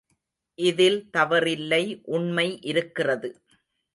இதில் தவறில்லை உண்மை இருக்கிறது.